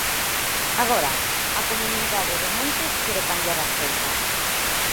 Agora, a comunidade de montes quere cambiar as cousas.